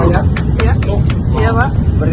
saya bisa berdiri